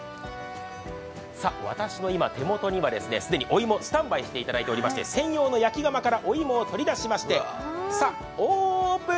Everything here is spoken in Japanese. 私の今、手元には既にお芋、スタンバイしていただいておりまして、専用の焼き窯からお芋を取り出しましてオープン！